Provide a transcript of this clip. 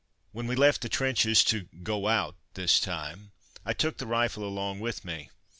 When we left the trenches to "go out" this time I took the rifle along with me.